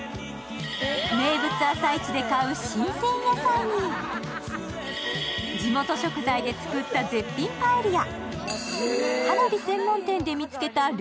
名物朝市で買う新鮮野菜に、地元食材で作った絶品パエリア。